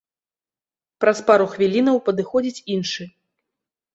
Праз пару хвілінаў падыходзіць іншы.